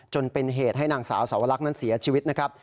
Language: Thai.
จนเป็นเหตุให้นางสาวสวรรคนั้นเสียชีวิตนะครับ